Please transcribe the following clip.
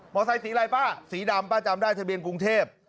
ไซสีอะไรป้าสีดำป้าจำได้ทะเบียนกรุงเทพ